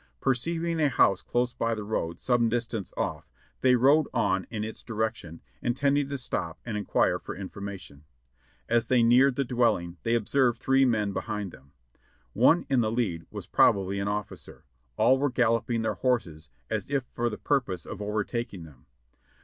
Perceiving a house close by the road, some distance off, they rode on in its direction, intending to stop and inquire for in formation. As they neared the dwelling, they observed three men behind them. One in the lead was probably an officer; all were galloping their horses as if for the purpose of overtaking them.